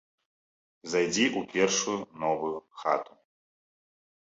Зайдзі ў першую новую хату.